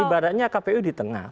ibaratnya kpu di tengah